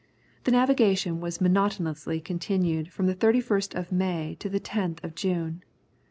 The navigation was monotonously continued from the 31st of May to the 10th of June.